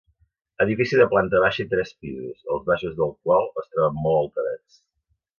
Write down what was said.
Edifici de planta baixa i tres pisos, els baixos del qual es troben molt alterats.